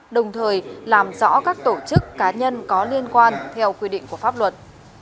đồng thời làm rõ các tổ chức cá nhân có liên quan theo quy định của pháp luật